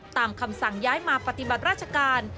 คำสั่งย้ายมาปฏิบัติราชการ